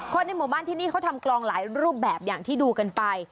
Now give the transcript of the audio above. ในหมู่บ้านที่นี่เขาทำกลองหลายรูปแบบอย่างที่ดูกันไป